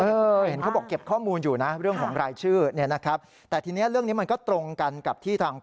เออเห็นเขาบอกเก็บข้อมูลอยู่นะเรื่องของรายชื่อนะครับ